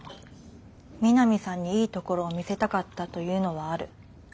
三並さんにいいところを見せたかったというのはある。